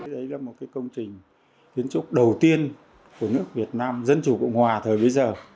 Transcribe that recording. đấy là một công trình kiến trúc đầu tiên của nước việt nam dân chủ cộng hòa thời bây giờ